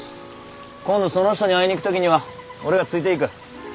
今度その人に会いに行く時には俺がついていく。